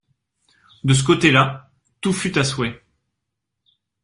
De ce côté-là, tout fut à souhait.